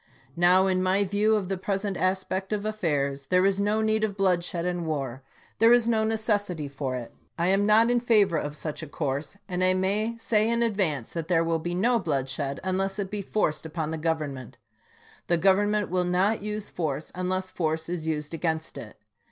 Now, in my view of the present aspect of affairs, there is no need of bloodshed and war. There is no necessity for it. I am not in favor of such a course ; 300 ABRAHAM LINCOLN chap. xix. and I may say in advance that there will be no bloodshed unless it be forced upon the Government. The Govern ment will not use force, unless force is used against it.